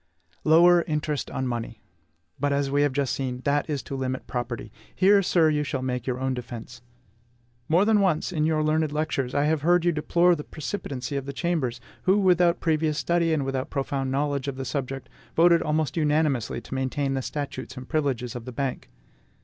Lower interest on money! But, as we have just seen, that is to limit property. Here, sir, you shall make your own defence. More than once, in your learned lectures, I have heard you deplore the precipitancy of the Chambers, who, without previous study and without profound knowledge of the subject, voted almost unanimously to maintain the statutes and privileges of the Bank.